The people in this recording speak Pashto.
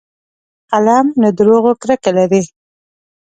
قلم له دروغو کرکه لري